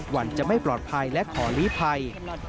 วันจะไม่ปลอดภัยและขอลีภัย